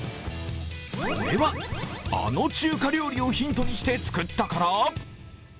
それは、あの中華料理をヒントにして作ったから！？